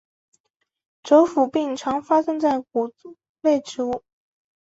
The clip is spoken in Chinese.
轴腐病常发生在谷类植物。